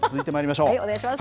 お願いします。